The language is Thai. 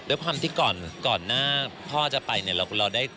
ด้วยความที่ก่อนหน้าพ่อจะไปเนี่ยเราได้